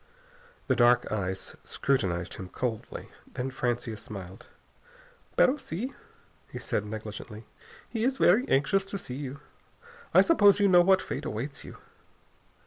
The dark eyes scrutinized him coldly. Then Francia smiled. "Pero si," he said negligently, "he is very anxious to see you. I suppose you know what fate awaits you?"